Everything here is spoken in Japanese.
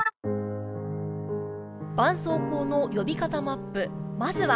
ばんそうこうの呼び方マップまずは。